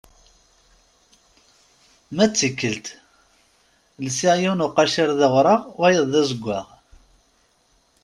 Ma d tikkelt, lsiɣ yiwen uqaciṛ d awraɣ, wayeḍ d azeggaɣ.